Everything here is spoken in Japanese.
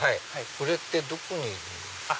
これってどこにいるんですか？